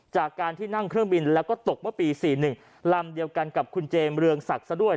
จากการที่นั่งเครื่องบินแล้วก็ตกเมื่อปี๔๑ลำเดียวกันกับคุณเจมสเรืองศักดิ์ซะด้วย